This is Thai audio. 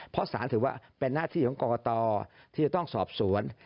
เพราะสารถือว่าเป็นหน้าที่ของกรกตที่จะต้องสอบสวน